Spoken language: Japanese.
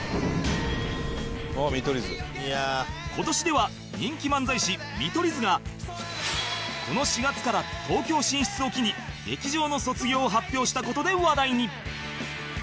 「あっ見取り図」「いやあ」今年では人気漫才師見取り図がこの４月から東京進出を機に劇場の卒業を発表した事で話題に